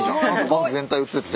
バス全体写って。